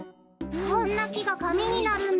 こんなきがかみになるんだ。